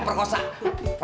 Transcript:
kau gak ada